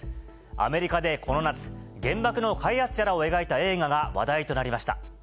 アメリカでこの夏、原爆の開発者らを描いた映画が話題となりました。